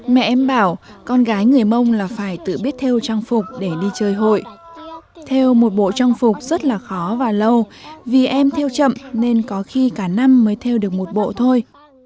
mẹ em bảo con gái người mông là phải tự biết theo trang phục để đi chơi hội theo một bộ trang phục rất là khó và lâu vì em theo chậm nên có khi cả năm mới theo được một bộ thôi